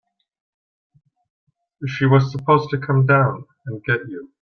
She was supposed to come down and get you.